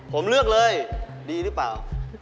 ผมเลือกเลยดีหรือเปล่า